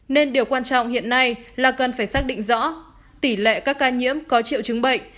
nên điều quan trọng hiện nay là cần phải xác định rõ tỷ lệ các ca nhiễm có triệu chứng bệnh